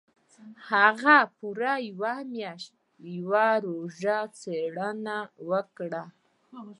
هغه پوره يوه مياشت يوه ژوره څېړنه وکړه.